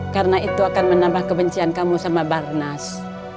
karena itu akan menambah kebencian kamu sama barnas